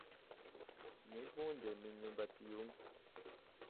imivunde ni imyumbati yumye